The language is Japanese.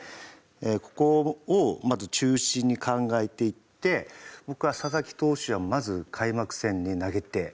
ここをまず中心に考えていって僕は佐々木投手はまず開幕戦に投げて。